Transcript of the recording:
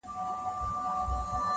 که ستا چيري اجازه وي محترمه-